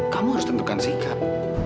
kamu harus tentukan sikap